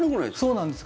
そうなんです。